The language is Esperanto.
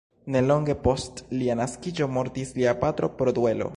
Nelonge post lia naskiĝo mortis lia patro, pro duelo.